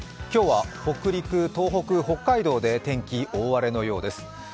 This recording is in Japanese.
今日は北陸、東北、北海道で天気、大荒れのようです。